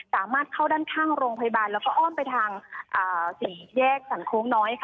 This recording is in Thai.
สามารถเข้าด้านข้างโรงพยาบาลแล้วก็อ้อมไปทางสี่แยกสรรโค้งน้อย